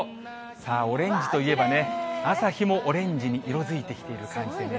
さあ、オレンジといえばね、朝日もオレンジに色づいてきてるという感じでね。